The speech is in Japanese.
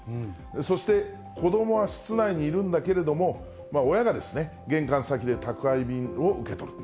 そして子どもは室内にいるんだけれども、親が玄関先で宅配便を受け取る。